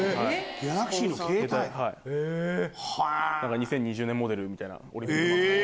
２０２０年モデルみたいなオリンピックマークが入った。